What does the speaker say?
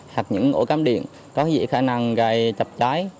hoặc những ổ cám điện có thể khả năng gây chập trái